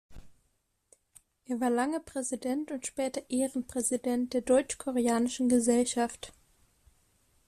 Er war lange Präsident und später Ehrenpräsident der Deutsch-Koreanischen Gesellschaft.